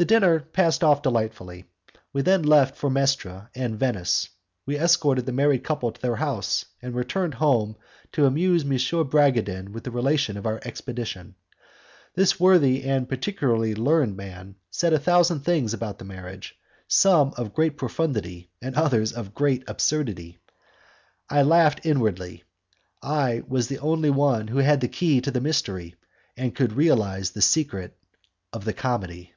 The dinner passed off delightfully. We then left for Mestra and Venice. We escorted the married couple to their house, and returned home to amuse M. Bragadin with the relation of our expedition. This worthy and particularly learned man said a thousand things about the marriage, some of great profundity and others of great absurdity. I laughed inwardly. I was the only one who had the key to the mystery, and could realize the secret of the comedy.